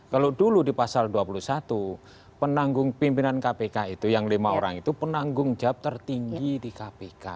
kalau dulu di pasal dua puluh satu penanggung pimpinan kpk itu yang lima orang itu penanggung jawab tertinggi di kpk